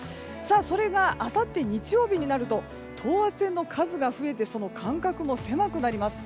それが、あさって日曜日になると等圧線の数が増えてその間隔も狭くなります。